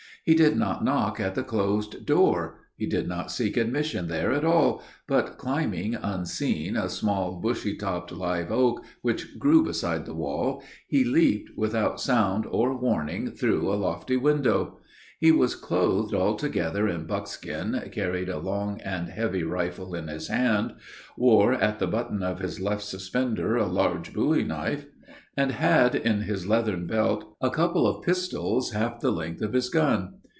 He did not knock at the closed door he did not seek admission there at all; but climbing, unseen, a small, bushy topped, live oak, which grew beside the wall, he leaped, without sound or warning, through a lofty window. He was clothed altogether in buckskin, carried a long and heavy rifle in his hand, wore at the button of his left suspender a large bowie knife, and had in his leathern belt a couple of pistols half the length of his gun.